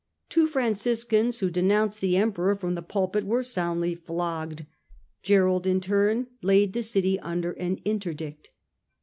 Two Franciscans who denounced the Emperor from the pulpit were soundly flogged. Gerold in turn laid the city under an interdict.